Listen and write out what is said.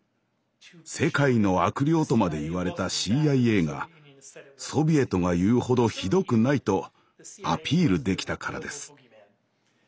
世界の悪霊とまで言われたＣＩＡがソビエトが言うほどひどくないとアピールできたからです。